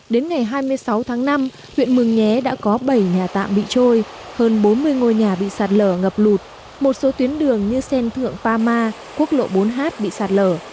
đến ngày hai mươi sáu tháng năm huyện mường nhé đã có bảy nhà tạm bị trôi hơn bốn mươi ngôi nhà bị sạt lở ngập lụt một số tuyến đường như sen thượng pa ma quốc lộ bốn h bị sạt lở